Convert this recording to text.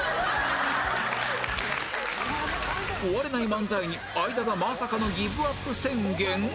終われない漫才に相田がまさかのギブアップ宣言！？